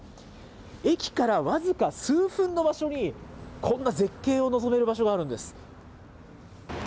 駅から僅か数分の場所に、こんな絶景を望める場所があるんです。